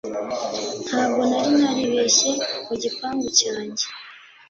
Ntabwo nari naribeshye mu gikapu cyanjye